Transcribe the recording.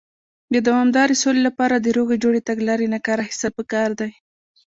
د دوامدارې سولې لپاره، د روغې جوړې تګلارې نۀ کار اخيستل پکار دی.